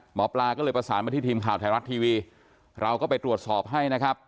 หมอปลาก็เลยประสานมาที่ทีมข่าวไทยรัฐทีวีเราก็ไปตรวจสอบให้นะครับ